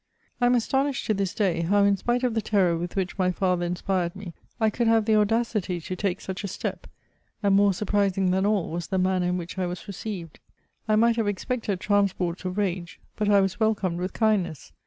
I am astonished to this day, how, in spite of the terror with which my fa^er inspired me, I oculd have the audacity to tidce such a step 4 and, more surprising than all was the manner in which I was received. I might have expected transports of fage, but I was welcomed with kindness.